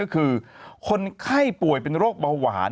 ก็คือคนไข้ป่วยเป็นโรคเบาหวาน